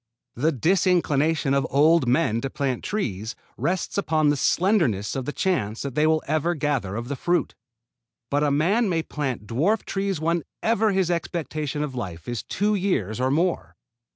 The disinclination of old men to plant trees rests upon the slenderness of the chance that they will ever gather of the fruit. But a man may plant dwarf trees whenever his expectation of life is two years or more.